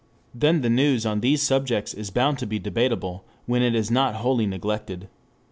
Then the news on these subjects is bound to be debatable, when it is not wholly neglected.